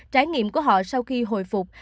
trải nghiệm của họ sau khi hồi phục